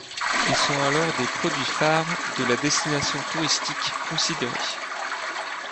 Ils sont alors des produits-phares de la destination touristique considérée.